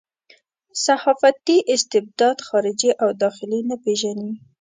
صحافتي استبداد خارجي او داخلي نه پېژني.